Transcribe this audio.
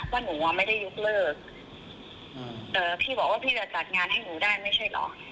ว่าหนูอ่ะไม่ได้ยกเลิกแต่พี่บอกว่าพี่จะจัดงานให้หนูได้ไม่ใช่เหรอ